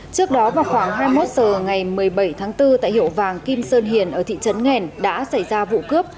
trước đó vào khoảng hai mươi một h ngày một mươi bảy tháng bốn tại hiệu vàng kim sơn hiền ở thị trấn nghèn đã xảy ra vụ cướp